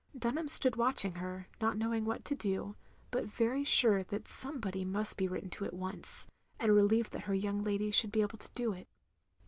Dunham stood watching her; not knowing what to do, but very sure that somebody must be written to at once, and relieved that her young lady should be able to do it.